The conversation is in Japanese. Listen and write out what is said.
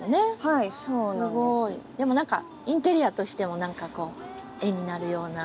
でも何かインテリアとしても絵になるような。